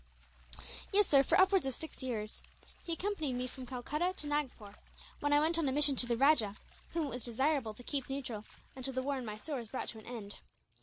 "Yes, sir, for upwards of six years. He accompanied me from Calcutta to Nagpore, when I went on a mission to the rajah, whom it was desirable to keep neutral until the war in Mysore was brought to an end.